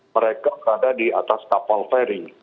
mereka berada di atas kapal feri